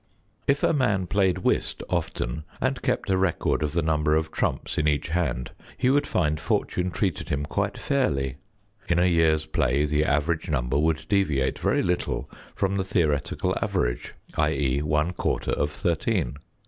If a man played whist often and kept a record of the number of trumps n each hand, he would find fortune treated him quite fairly; in a year's play the average number would deviate very little from the theoretical average, i.e., one quarter of thirteen.